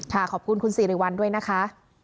ขอบคุณคุณสิริวัลด้วยนะคะ